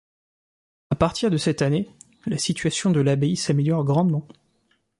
À partir de cette année, la situation de l'abbaye s'améliore grandement.